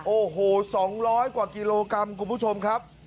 โอ้โห๒๐๐กว่ากิโลกรัมคุณผู้ชมครับ